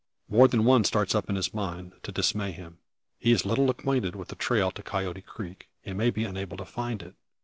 More than one starts up in his mind to dismay him. He is little acquainted with the trail to Coyote Creek, and may be unable to find it.